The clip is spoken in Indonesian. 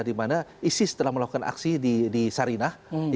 dimana isis telah melakukan aksi di sarinah